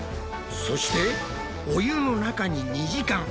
そしてお湯の中に２時間。